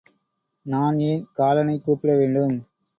நான் ஏன் காலனைக் கூப்பிடவேண்டும்?